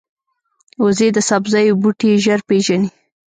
وزې د سبزیو بوټي ژر پېژني